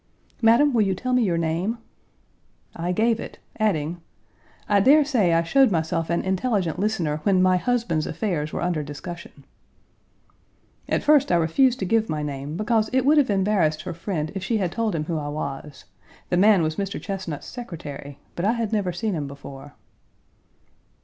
"Madam, will you tell me your name?" I gave it, adding, "I dare say I showed myself an intelligent listener when my husband's affairs were under discussion." At first, I refused to give my name because it would have embarrassed her friend if Page 155 she had told him who I was. The man was Mr. Chesnut's secretary, but I had never seen him before.